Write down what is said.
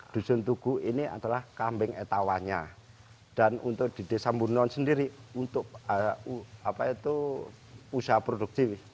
dusun tugu ini adalah kambing etawanya dan untuk di desa murnon sendiri untuk usaha produktif